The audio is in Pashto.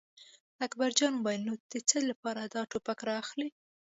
اکبر جان وویل: نو د څه لپاره دا ټوپک را اخلې.